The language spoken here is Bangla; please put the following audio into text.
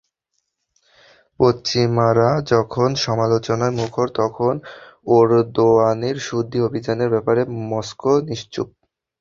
পশ্চিমারা যখন সমালোচনায় মুখর, তখন এরদোয়ানের শুদ্ধি অভিযানের ব্যাপারে মস্কো নিশ্চুপ।